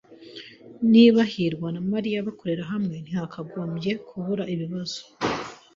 Niba hirwa na Mariya bakorera hamwe, ntihakagombye kubaho ibibazo.